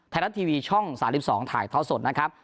ไทยรัฐทีวีช่อง๓๒ถ่ายท่อสดนะครับ